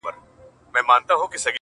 زما دي وینه تر هغه زلمي قربان سي!.